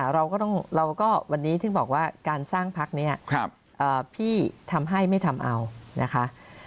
เราก็ต้องเราก็วันนี้ถึงบอกว่าการสร้างพักนี้พี่ทำให้ไม่ทำเอานะคะ